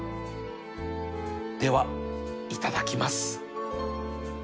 ではいただきます